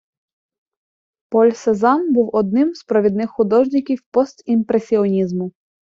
Поль Сезанн був одним з провідних художників постімпресіонізму.